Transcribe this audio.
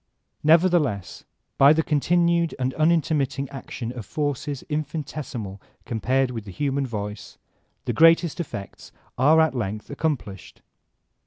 Nevertheless, by the continued and unintermitting ac tion of forces infinitesimal compared with the human voice, the greatest effects are at length accomplished.